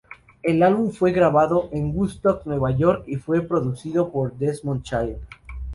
El álbum fue grabado en Woodstock, Nueva York, y fue producido por Desmond Child.